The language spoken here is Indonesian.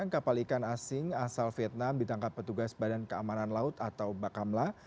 kapal ikan asing asal vietnam ditangkap petugas badan keamanan laut atau bakamla